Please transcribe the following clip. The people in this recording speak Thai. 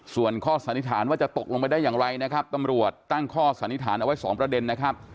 ส่วนข้อสันนิษฐานว่าจะตกลงไปได้อย่างไรนะครับตำรวจตั้งข้อสันนิษฐานเอาไว้สองประเด็นนะครับ